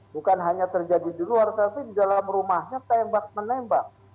bukan hanya terjadi di luar tapi di dalam rumahnya tembak menembak